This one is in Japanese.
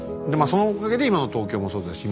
そのおかげで今の東京もそうだし